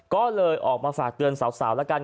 ก็เลยออกมาฝากเตือนสาวแล้วกัน